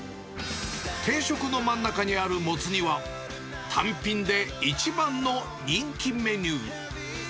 定食の真ん中にあるもつ煮は、単品で一番の人気メニュー。